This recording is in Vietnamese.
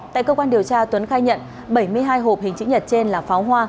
tại cơ quan điều tra tuấn khai nhận bảy mươi hai hộp hình chữ nhật trên là pháo hoa